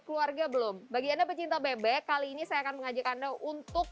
keluarga belum bagi anda pecinta bebek kali ini saya akan mengajak anda untuk